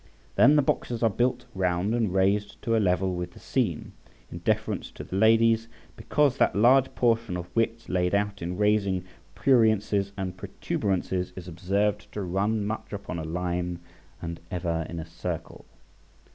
Then the boxes are built round and raised to a level with the scene, in deference to the ladies, because that large portion of wit laid out in raising pruriences and protuberances is observed to run much upon a line, and ever in a circle.